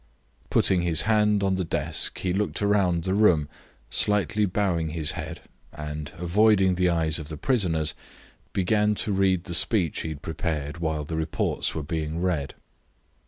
Putting his hand on the desk he looked round the room, slightly bowing his head, and, avoiding the eyes of the prisoners, began to read the speech he had prepared while the reports were being read.